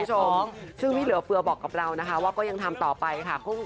คุณผู้ชมซึ่งพี่เหลือเฟือบอกกับเรานะคะว่าก็ยังทำต่อไปค่ะ